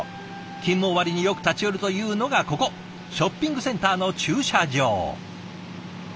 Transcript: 勤務終わりによく立ち寄るというのがここショッピングセンターの駐車場。